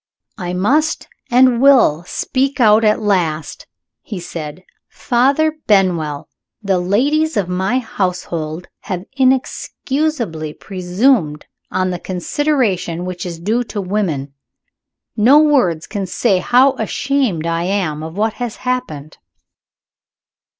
"I must, and will, speak out at last!" he said. "Father Benwell, the ladies of my household have inexcusably presumed on the consideration which is due to women. No words can say how ashamed I am of what has happened.